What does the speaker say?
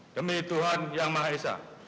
demi tuhan yang maha esa